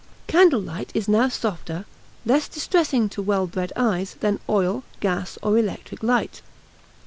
Candlelight is now softer, less distressing to well bred eyes, than oil, gas, or electric light.